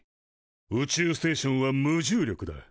宇宙ステーションは無重力だ。